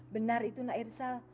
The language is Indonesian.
benar itu nak irsal